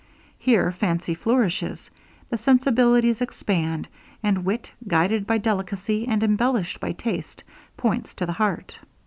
Here fancy flourishes, the sensibilities expand and wit, guided by delicacy and embellished by taste points to the heart.